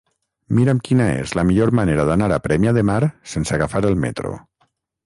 Mira'm quina és la millor manera d'anar a Premià de Mar sense agafar el metro.